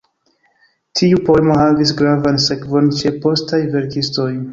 Tiu poemo havis gravan sekvon ĉe postaj verkistoj.